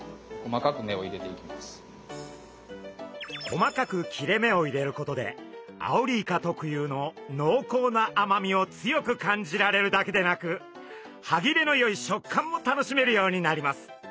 細かく切れ目を入れることでアオリイカ特有ののうこうな甘みを強く感じられるだけでなく歯切れのよい食感も楽しめるようになります。